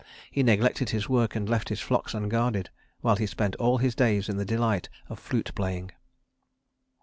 He neglected his work and left his flocks unguarded while he spent all his days in the delight of flute playing.